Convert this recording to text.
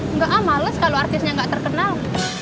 enggak males kalau artisnya enggak terkenal